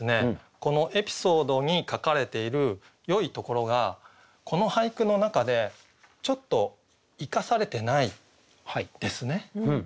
このエピソードに書かれているよいところがこの俳句の中でちょっと生かされてないですね。